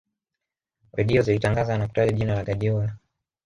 redio zilitangaza na kutaja jina la guardiola